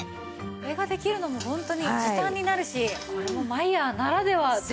これができるのもホントに時短になるしこれもマイヤーならではですよね。